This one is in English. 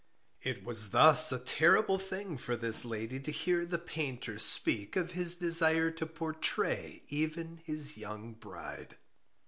It was thus a terrible thing for this lady to hear the painter speak of his desire to portray even his young bride.